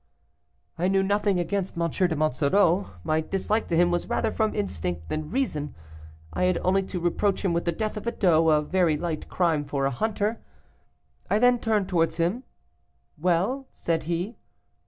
"I knew nothing against M. de Monsoreau; my dislike to him was rather from instinct than reason. I had only to reproach him with the death of a doe, a very light crime for a hunter. I then turned towards him. 'Well?' said he.